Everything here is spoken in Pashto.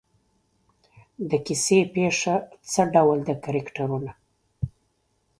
د کیسې پېښه څه ډول ده کرکټرونه.